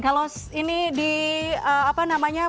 kalau ini di apa namanya